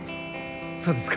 そうですか。